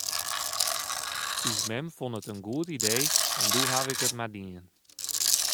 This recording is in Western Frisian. Us mem fûn it in goed idee en doe haw ik it mar dien.